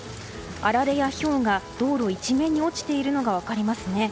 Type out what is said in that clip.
あられやひょうが道路一面に落ちているのが分かりますね。